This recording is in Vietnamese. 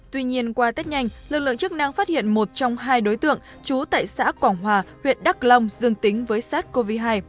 tuy nhiên qua test nhanh lực lượng chức năng phát hiện một trong hai đối tượng trú tại xã quảng hòa huyện đắk long dương tính với sars cov hai